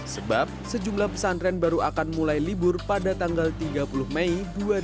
sebab sejumlah pesantren baru akan mulai libur pada tanggal tiga puluh mei dua ribu dua puluh